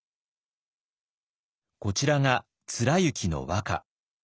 こちらが貫之の和歌。